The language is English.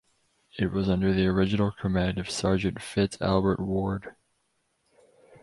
It was under the original command of Sergeant Fitz Albert Ward.